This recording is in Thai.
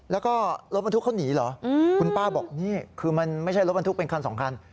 แล้วก็รถบรรทุกเขาหนีเหรอคุณป้าบอกนี่คือมันไม่ใช่รถบรรทุกเป็นคันสองคัน